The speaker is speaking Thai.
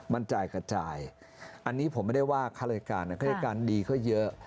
มันจ่ายกระจายอันนี้ผมไม่ได้ว่าค่ารายการข้าราชการดีก็เยอะ